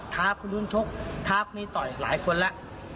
ท้าคุณดุ้นทกท้าคุณนี้ต่อยหลายคนละ